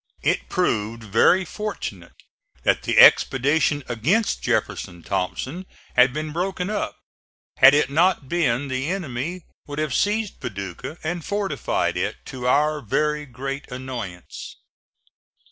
It proved very fortunate that the expedition against Jeff. Thompson had been broken up. Had it not been, the enemy would have seized Paducah and fortified it, to our very great annoyance.